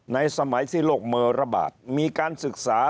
ในสมัยที่โลกเมอระบาดมีการศึกษา